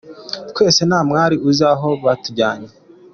Twese nta wari uzi aho batujyanye.”